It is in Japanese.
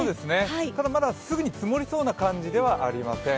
ただ、まだすぐに積もりそうな感じではありません。